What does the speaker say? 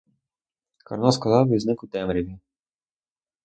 Карно сказав і зник у темряві.